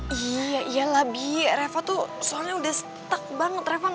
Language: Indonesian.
nih kita beneran tahu ada kata kata yang ada tenemos